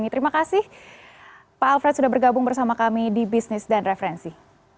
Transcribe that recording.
terima kasih pak alfred sudah bergabung bersama kami di bisnis dan referensi